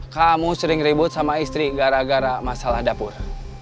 kamu sering ribut sama istri gara gara masalah dapur